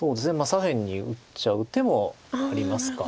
左辺に打っちゃう手もありますか。